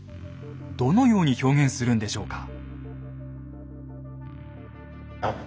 どのように表現するんでしょうか。